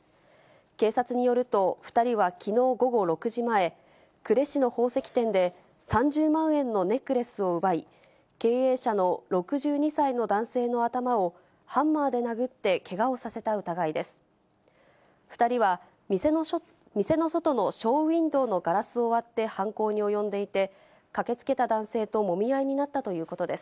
警察によると、２人はきのう午後６時前、呉市の宝石店で３０万円のネックレスを奪い、経営者の６２歳の男性の頭をハンマーで殴ってけがをさせた疑いです。